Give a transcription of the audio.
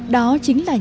đó chính là nhà thờ